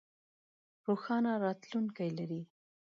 روښانه راتلوونکې لرئ